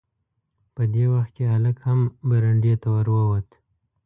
په دې وخت کې هلک هم برنډې ته ور ووت.